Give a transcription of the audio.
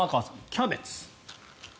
キャベツ。